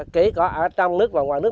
kể cả ở trong nước và ngoài nước